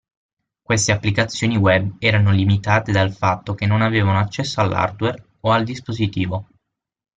Queste applicazioni web erano limitate dal fatto che non avevano accesso all'hardware o al dispositivo.